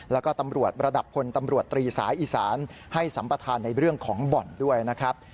แล้วก็ตำรวจระดับพลตำรวจตรีสายอีสานให้สัมประธานในเรื่องของบ่อนด้วยนะครับ